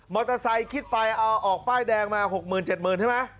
เตอร์ไซค์คิดไปเอาออกป้ายแดงมา๖๐๐๗๐๐ใช่ไหม